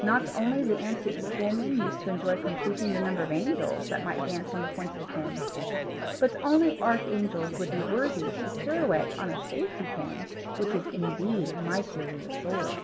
No wonder the antique schoolmen used to enjoy computing the number of angels that might dance on the point of a pin. But only archangels would be worthy to pirouette on a safety pin, which is indeed mightier than the sword.